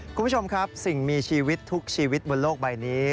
คุณผู้ชมครับสิ่งมีชีวิตทุกชีวิตบนโลกใบนี้